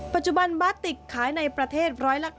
ปัจจุบันบาติกขายในประเทศ๑๙